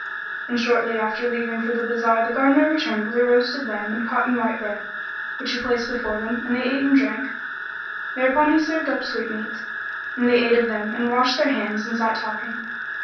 And shortly after leaving for the bazar the Gardener returned with a roasted lamb and cotton white bread, which he placed before them, and they ate and drank; thereupon he served up sweetmeats, and they ate of them, and washed their hands and sat talking.